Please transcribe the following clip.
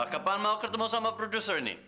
kapan mau ketemu sama produser ini